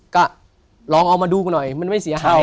ก็ลองเอามาดูกันหน่อยมันไม่เสียหาย